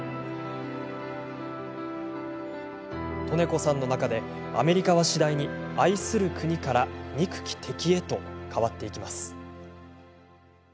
利根子さんの中でアメリカは次第に、愛する国から憎き敵へと変わっていきます。